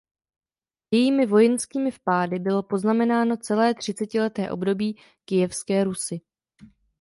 Jejími vojenskými vpády bylo poznamenáno celé třicetileté období Kyjevské Rusi.